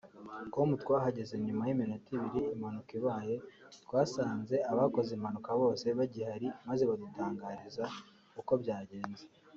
com twahageraga nyuma y’iminota ibiri impanuka ibaye twasanze abakoze impanuka bose bagihari maze badutangariza uko byagenze